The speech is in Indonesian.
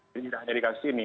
jadi tidak hanya dikasih ini